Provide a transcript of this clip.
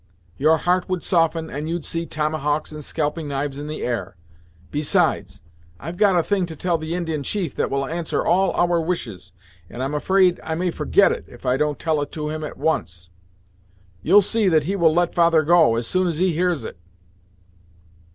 Your heart would soften, and you'd see tomahawks and scalping knives in the air. Besides, I've got a thing to tell the Indian chief that will answer all our wishes, and I'm afraid I may forget it, if I don't tell it to him at once. You'll see that he will let father go, as soon as he hears it!"